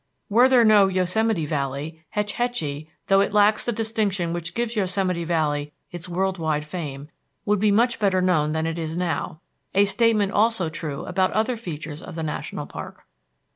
Were there no Yosemite Valley, Hetch Hetchy, though it lacks the distinction which gives Yosemite Valley its world wide fame, would be much better known than it now is a statement also true about other features of the national park.